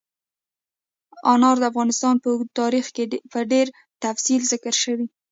انار د افغانستان په اوږده تاریخ کې په ډېر تفصیل ذکر شوي.